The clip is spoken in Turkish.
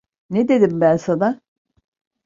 Ne dedim ben sana?